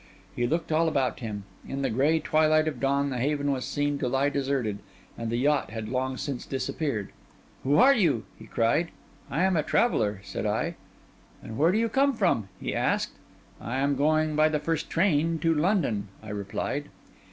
He looked all about him; in the grey twilight of the dawn, the haven was seen to lie deserted, and the yacht had long since disappeared. 'Who are you?' he cried. 'I am a traveller,' said I. 'And where do you come from?' he asked. 'I am going by the first train to London,' I replied.